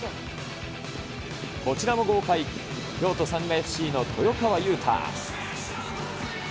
こちらも豪快、京都サンガＦＣの豊川雄太。